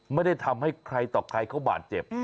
ไม่ได้ทำให้ใครต่อใครเขาบาดเจ็บ